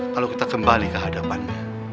kalau kita kembali ke hadapannya